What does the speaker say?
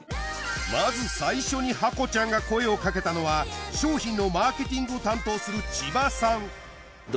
まず最初にハコちゃんが声をかけたのは商品のマーケティングを担当する千葉さん